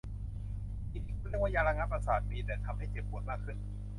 สิ่งที่คุณเรียกว่ายาระงับประสาทมีแต่ทำให้เจ็บปวดมากขึ้น